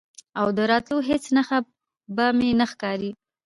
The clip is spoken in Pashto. او د راتلو هیڅ نښه به مې نه ښکاري،